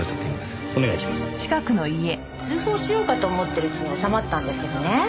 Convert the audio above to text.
通報しようかと思ってるうちに収まったんですけどね。